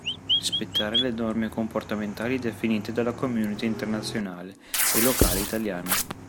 Rispettare le norme comportamentali definite dalla community Internazionale e locale Italiana.